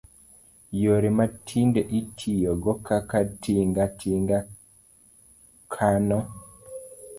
Yore ma tinde itiyogo kaka tinga tinga, kano